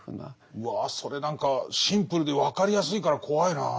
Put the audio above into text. うわそれ何かシンプルで分かりやすいから怖いなぁ。